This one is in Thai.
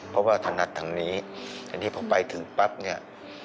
เพราะว่าถนัดทางนี้อันนี้พอไปถึงปั๊บเนี่ย